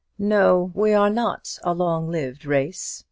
"No; we are not a long lived race.